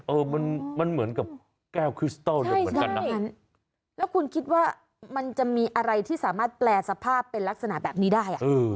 เออมันมันเหมือนกับแก้วคริสตอลเหมือนกันนะแล้วคุณคิดว่ามันจะมีอะไรที่สามารถแปลสภาพเป็นลักษณะแบบนี้ได้อ่ะ